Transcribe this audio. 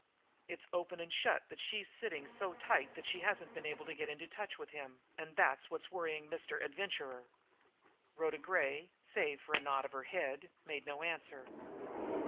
It's open and shut that she's sitting so tight she hasn't been able to get into touch with him, and that's what's worrying Mr. Adventurer." Rhoda Gray, save for a nod of her head, made no answer.